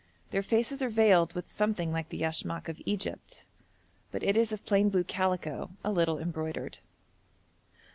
Their faces are veiled with something like the yashmak of Egypt, but it is of plain blue calico, a little embroidered.